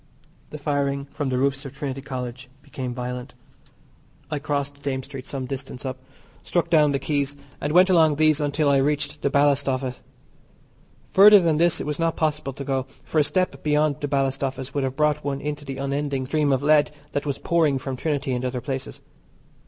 The firing from the roofs of Trinity College became violent. I crossed Dame Street some distance up, struck down the Quays, and went along these until I reached the Ballast Office. Further than this it was not possible to go, for a step beyond the Ballast Office would have brought one into the unending stream of lead that was pouring from Trinity and other places.